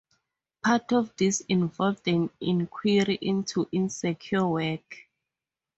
Part of this involved an inquiry into insecure work.